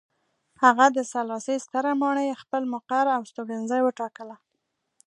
هغه د سلاسي ستره ماڼۍ خپل مقر او استوګنځی وټاکله.